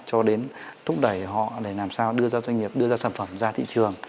cho đến thúc đẩy họ để làm sao đưa ra doanh nghiệp đưa ra sản phẩm ra thị trường